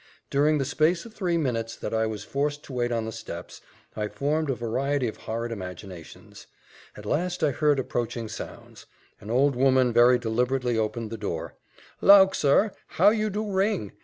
During the space of three minutes that I was forced to wait on the steps, I formed a variety of horrid imaginations. At last I heard approaching sounds: an old woman very deliberately opened the door. "Lauk, sir, how you do ring!